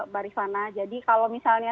barisana jadi kalau misalnya